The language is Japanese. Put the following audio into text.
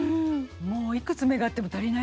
もういくつ目があっても足りないぐらいの。